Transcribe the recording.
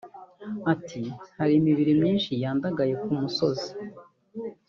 Ati "Hari imibiri myinshi yandagaye ku musozi